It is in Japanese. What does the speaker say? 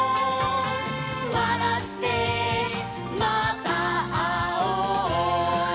「わらってまたあおう」